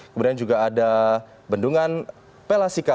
kemudian juga ada bendungan pelasika